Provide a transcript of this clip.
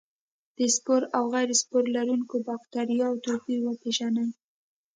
د سپور او غیر سپور لرونکو بکټریا توپیر وپیژني.